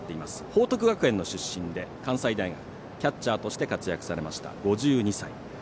報徳学園の出身で関西大学キャッチャーとして活躍されました。